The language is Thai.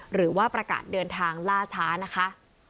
หรือว่าประกาศเดินทางล่าช้านะคะ